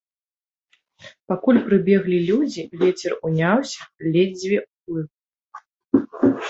Пакуль прыбеглі людзі, вецер уняўся, ледзьве плыў.